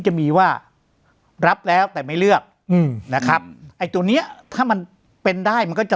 จะมีว่ารับแล้วแต่ไม่เลือกอืมนะครับไอ้ตัวเนี้ยถ้ามันเป็นได้มันก็จะ